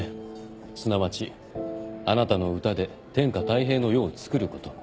すなわちあなたの歌で天下泰平の世をつくること。